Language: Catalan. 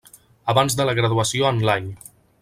Abans de la graduació en l'any.